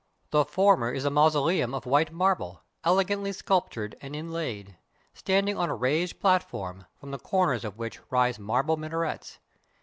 The former is a mausoleum of white marble, elegantly sculptured and inlaid, standing on a raised platform, from the corners of which rise marble minarets.